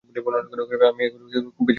আমি এদের খুব পছন্দ করি।